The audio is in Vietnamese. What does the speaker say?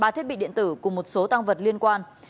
ba thiết bị điện tử cùng một số tăng vật liên quan